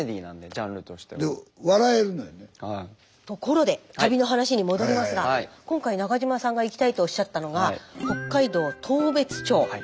ところで旅の話に戻りますが今回中島さんが行きたいとおっしゃったのが北海道当別町。